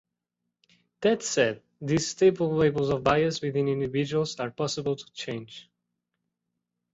That said, these stable levels of bias within individuals are possible to change.